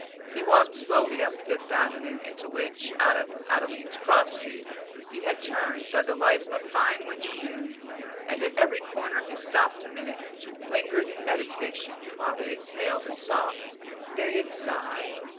He walked slowly up Fifth Avenue, into which, out of Adeline's cross street, he had turned, by the light of a fine winter moon; and at every corner he stopped a minute, lingered in meditation, while he exhaled a soft, vague sigh.